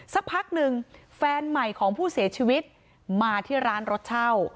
สักพักหนึ่งแฟนใหม่ของผู้เสียชีวิตมาที่ร้านรถเช่า